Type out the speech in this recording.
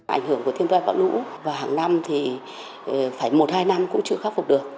ảnh hưởng của thiên tai bão lũ và hàng năm thì phải một hai năm cũng chưa khắc phục được